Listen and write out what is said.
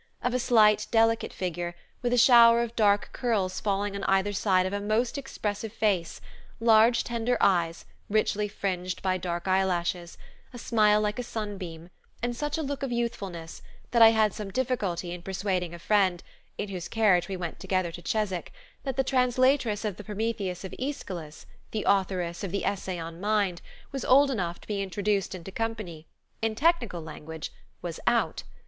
Of a slight, delicate figure, with a shower of dark curls falling on either side of a most expressive face, large tender eyes, richly fringed by dark eyelashes, a smile like a sunbeam, and such a look of youthfulness, that I had some difficulty in persuading a friend, in whose carriage we went together to Cheswick, that the translatress of the Prometheus of Aeschylus, the authoress of the Essay on Mind, was old enough to be introduced into company, in technical language, was out.